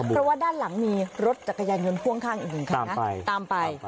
เพราะว่าด้านหลังมีรถจักรยานยนต์พ่วงข้างอีกหนึ่งคันนะตามไป